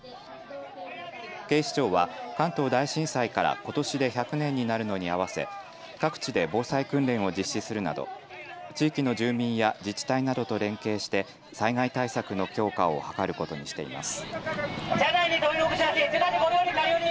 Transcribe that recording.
警視庁は関東大震災からことしで１００年になるのに合わせ各地で防災訓練を実施するなど地域の住民や自治体などと連携して災害対策の強化を図ることにしています。